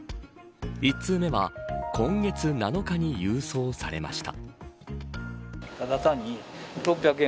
１通目は今月７日に郵送されました。